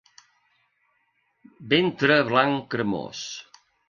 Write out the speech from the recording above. Ventre blanc cremós.